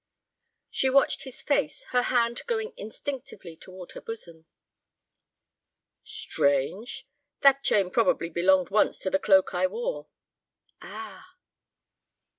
She watched his face, her hand going instinctively toward her bosom. "Strange! That chain probably belonged once to the cloak I wore." "Ah!"